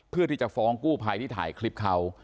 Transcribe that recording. เพื่อที่จะฟ้องกู้ภัยที่ถ่ายคลิปเขา